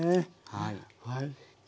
はい。